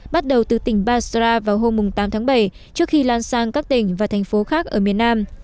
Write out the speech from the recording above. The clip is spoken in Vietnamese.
bắt đầu từ tỉnh basra vào hôm tám tháng bảy trước khi lan sang các tỉnh và thành phố khác ở miền nam